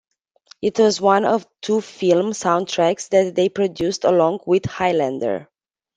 It was one of two film soundtracks that they produced along with "Highlander".